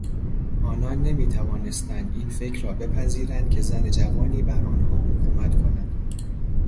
آنان نمیتوانستند این فکر را بپذیرند که زن جوانی بر آنها حکومت کند.